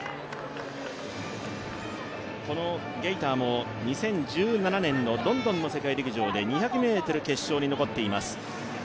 このゲイターも２０１７年のロンドンの世界陸上で２００ｍ決勝に残っています。